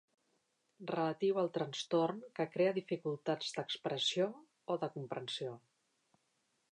Relatiu al trastorn que crea dificultats d'expressió o de comprensió.